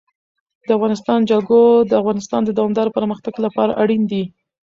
د افغانستان جلکو د افغانستان د دوامداره پرمختګ لپاره اړین دي.